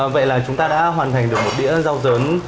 vậy là chúng ta đã hoàn thành được một đĩa rau dớn